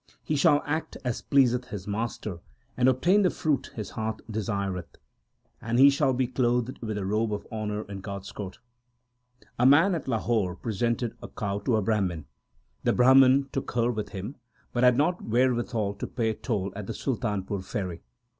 He shall act as pleaseth his Master, and obtain the fruit his heart desireth ; And he shall be clothed with a robe of honour in God s court. A man at Lahore presented a cow to a Brahman. The Brahman took her with him, but had not wherewithal to pay toll at the Sultanpur ferry.